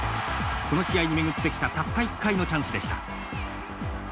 この試合に巡ってきたたった一回のチャンスでした。